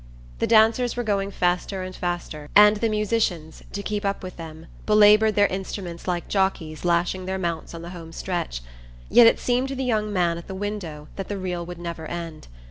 The dancers were going faster and faster, and the musicians, to keep up with them, belaboured their instruments like jockeys lashing their mounts on the home stretch; yet it seemed to the young man at the window that the reel would never end.